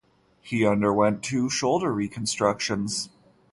He underwent two shoulder reconstructions.